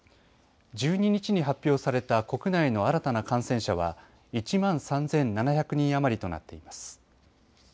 １２日に発表された国内の新たな感染者は１万３７００人余りとなっています。